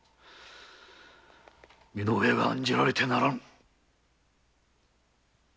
身の上が案じられてならぬ。